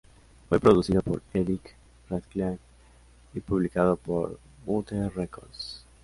Fue producido por Eric Radcliffe y publicado por Mute Records.